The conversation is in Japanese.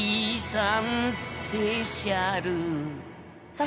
さあ